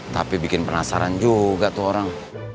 tapi bikin penasaran juga tuh orang